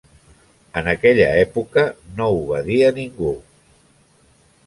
En aquella època no va dir a ningú.